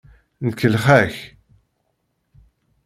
Nkellex-ak.